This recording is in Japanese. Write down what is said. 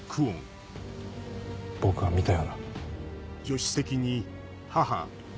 僕が見たような。